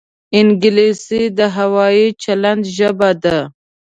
انګلیسي د هوايي چلند ژبه ده